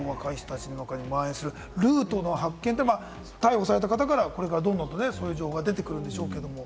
まん延するルートの発見、逮捕された方からどんどんとそういう情報が出てくるんでしょうけれども。